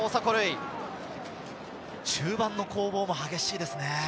中盤の攻防も激しいですね。